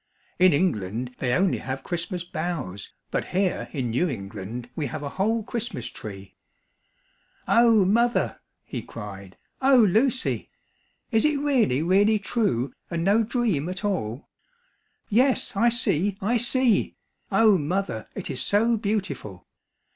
In England they only have Christmas boughs, but here in New England we have a whole Christmas tree." "O mother!" he cried. "O Lucy! Is it really, really true, and no dream at all? Yes, I see! I see! O mother, it is so beautiful!